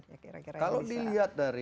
kalau dilihat dari